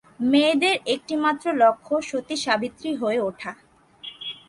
মেয়েদের একটিমাত্র লক্ষ্য সতী-সাবিত্রী হয়ে ওঠা।